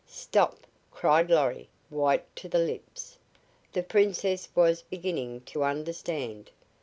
"Stop!" cried Lorry, white to the lips. The Princess was beginning to understand.